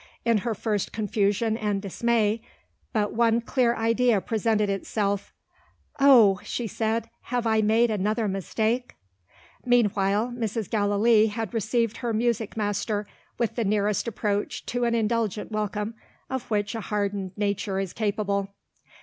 In her first confusion and dismay, but one clear idea presented itself. "Oh!" she said, "have I made another mistake?" Meanwhile, Mrs. Gallilee had received her music master with the nearest approach to an indulgent welcome, of which a hardened nature is capable.